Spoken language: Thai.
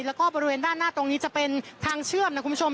แล้วก็บริเวณด้านหน้าตรงนี้จะเป็นทางเชื่อมนะคุณผู้ชม